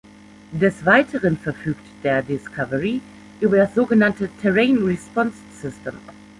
Des Weiteren verfügt der Discovery über das so genannte Terrain-Response-System.